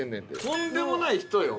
とんでもない人よ